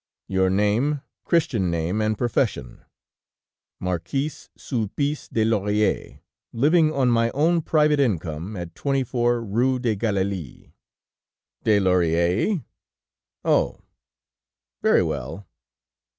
"'Your name, Christian name, and profession?' "'Marquis Sulpice de Laurièr, living on my own private income, at 24, Rue de Galilee.' "'De Laurièr? Oh, very well....